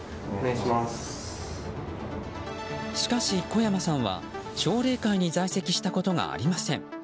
しかし、小山さんは奨励会に在籍したことがありません。